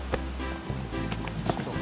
ちょっと